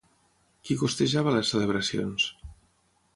Qui costejava les celebracions?